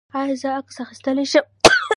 ایا زه عکس اخیستلی شم؟